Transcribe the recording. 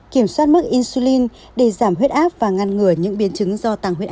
kiểm soát mức insulin để giảm huyết áp và ngăn ngừa những biến chứng do tăng huyết áp